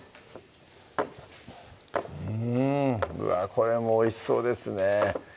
うんうわっこれもおいしそうですね